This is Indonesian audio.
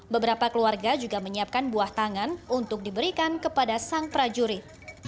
beberapa keluarga juga menyiapkan buah tangan untuk diberikan kepada sang prajurit